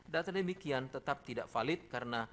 data demikian tetap tidak valid karena